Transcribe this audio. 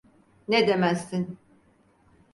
Ne demezsin.